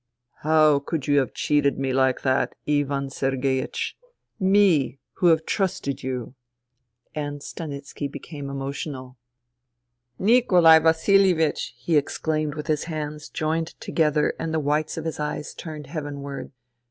" How could you have cheated me like that, Ivan Sergeiech — me who have trusted you ?*' And Stanitski became emotional. " Nikolai Vasil ievich 1 " he exclaimed with his hands joined together and the whites of his eyes turned heavenward.